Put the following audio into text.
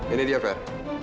ini dia fer